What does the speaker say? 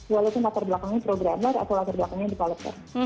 walaupun latar belakangnya programmer atau latar belakangnya development